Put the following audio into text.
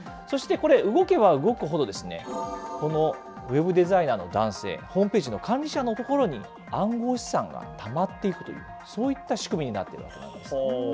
そしてこれ、動けば動くほどですね、このウェブデザイナーの男性、ホームページの管理者の所に、暗号資産がたまっていくという、そういった仕組みになっているわけなんです。